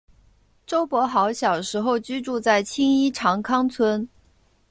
周柏豪小时候居住在青衣长康邨。